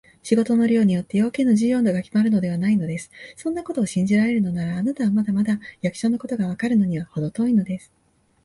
仕事の量によって、用件の重要度がきまるのではないのです。そんなことを信じられるなら、あなたはまだまだ役所のことがわかるのにはほど遠いのです。